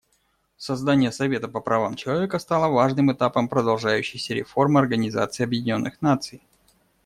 Создание Совета по правам человека стало важным этапом продолжающейся реформы Организации Объединенных Наций.